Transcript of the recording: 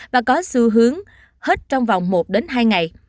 và có xu hướng hết trong vòng một đến hai ngày